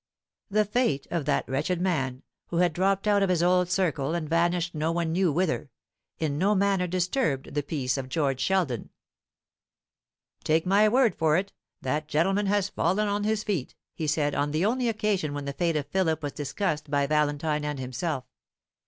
The fate of that wretched man, who had dropped out of his old circle and vanished no one knew whither, in no manner disturbed the peace of George Sheldon. "Take my word for it, that gentleman has fallen on his feet," he said, on the only occasion when the fate of Philip was discussed by Valentine and himself.